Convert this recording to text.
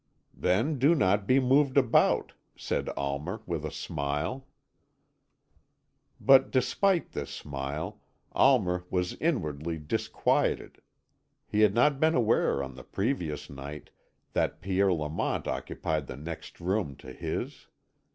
"Then do not be moved about," said Almer, with a smile. But despite this smile. Almer was inwardly disquieted. He had not been aware on the previous night that Pierre Lamont occupied the next room to his.